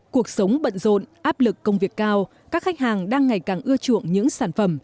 cuộc sống bận rộn áp lực công việc cao các khách hàng đang ngày càng ưa chuộng những sản phẩm